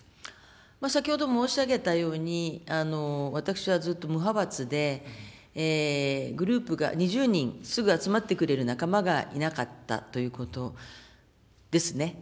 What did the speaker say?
先ほど申し上げたように、私はずっと無派閥で、グループが２０人、すぐ集まってくれる仲間がいなかったということですね。